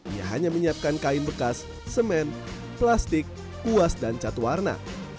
ia hanya menyiapkan kain bekas semen plastik kuas dan cat warna